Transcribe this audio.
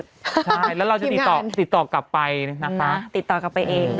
ใช่แล้วเราจะติดต่อติดต่อกลับไปนะคะติดต่อกลับไปเอง